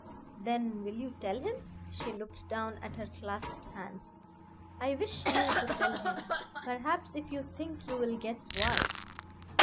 "Then will you tell him?" She looked down at her clasped hands. "I wish you to tell him. Perhaps if you think you will guess why.